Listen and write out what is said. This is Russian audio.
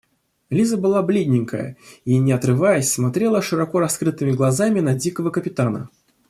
Лиза была бледненькая и, не отрываясь, смотрела широко раскрытыми глазами на дикого капитана.